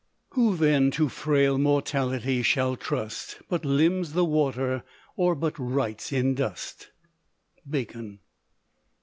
Who then to frail mortality shall trust, But limns the water, or but writes in dust. Bacon.